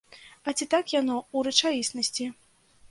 А ці так яно ў рэчаіснасці?